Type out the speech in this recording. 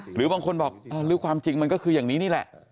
หรือบางคนบอกหรือความจริงมันก็คืออย่างนี้นี่แหละ